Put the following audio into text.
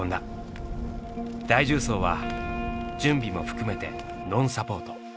大縦走は準備も含めてノンサポート。